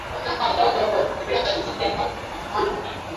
Zanzibar ilikuwa eneo muhimu la biashara